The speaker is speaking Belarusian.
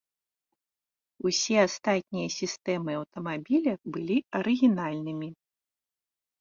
Усе астатнія сістэмы аўтамабіля былі арыгінальнымі.